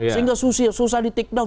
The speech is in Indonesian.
sehingga susah ditakedown